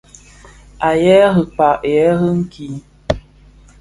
Aa yêê rikpaa, yêê rì kì.